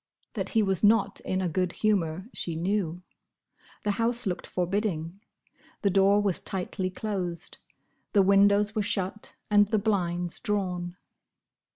That he was not in a good humour she knew. The house looked forbidding. The door was tightly closed. The windows were shut, and the blinds drawn.